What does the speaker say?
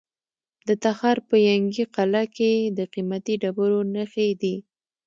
د تخار په ینګي قلعه کې د قیمتي ډبرو نښې دي.